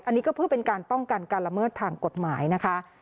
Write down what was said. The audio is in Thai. อันนี้ก็เพื่อเป็นการป้องกันการละเมิดทางกฎหมายนะคะ